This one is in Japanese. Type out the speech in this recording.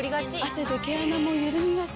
汗で毛穴もゆるみがち。